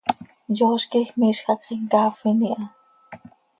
Yooz quij miizj hacx him caafin iha.